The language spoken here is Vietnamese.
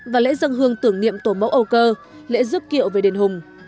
và lễ dân hương tưởng niệm tổ mẫu âu cơ lễ dước kiệu về đền hùng